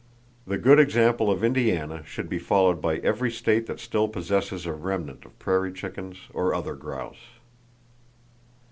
The good example of Indiana should be followed by every state that still possesses a remnant of prairie chickens, or other grouse.